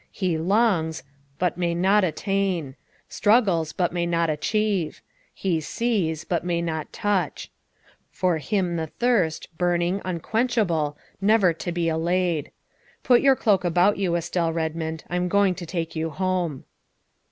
He longs, but may not attain; struggles, but may not achieve; he sees, but may not touch. For him the thirst, burning, unquenchable, never to be allayed. Put your cloak about you, Estelle Redmond, I am going to take you home."